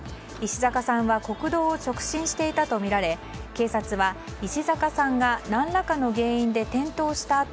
石坂さんは国道を直進していたとみられ警察は石坂さんが何らかの原因で転倒した